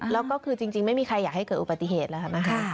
แล้วก็คือจริงไม่มีใครอยากให้เกิดอุบัติเหตุแล้วค่ะ